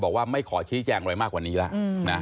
บอกว่าไม่ขอชี้แจงอะไรมากกว่านี้แล้วนะ